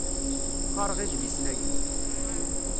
Qqaṛeɣ idlisen-agi.